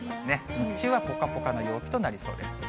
日中はぽかぽかな陽気となりそうです。